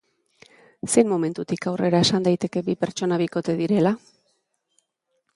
Zein momentutik aurrera esan daiteke bi pertsona bikote direla?